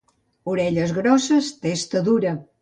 Orelles grosses, testa dura.